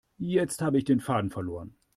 Jetzt habe ich den Faden verloren.